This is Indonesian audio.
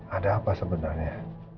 ada apa sebenarnya